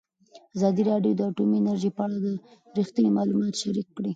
ازادي راډیو د اټومي انرژي په اړه رښتیني معلومات شریک کړي.